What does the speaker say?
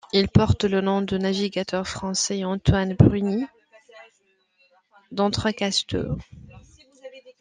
Il porte le nom du navigateur français Antoine Bruny d'Entrecasteaux.